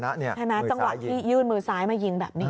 จังหวะที่ยื่นมือซ้ายมายิงแบบนี้